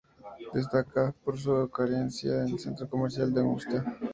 Destaca por su cercanía al Centro Comercial Augusta.